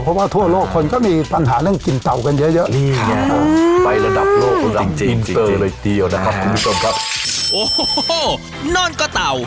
เพราะว่าทั่วโลกคนก็มีปัญหาเรื่องกินเต่ากันเยอะ